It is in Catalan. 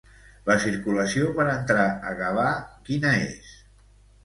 La circulació per entrar a Gavà quina és?